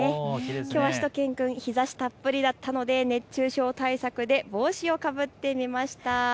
きょうはしゅと犬くん、日ざしたっぷりだったので熱中対策で帽子をかぶってみました。